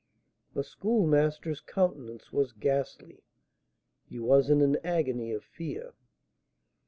The Schoolmaster's countenance was ghastly; he was in an agony of fear.